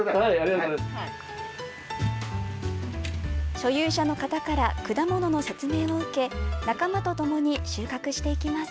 所有者の方から果物の説明を受け仲間とともに収穫していきます。